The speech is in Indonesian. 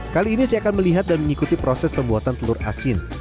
kali ini saya akan melihat dan mengikuti proses pembuatan telur asin